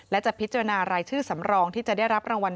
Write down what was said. และจะพิจารณารายชื่อสำรองที่จะได้รับรางวัล